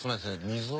水を。